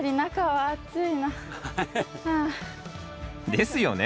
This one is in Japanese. ですよね。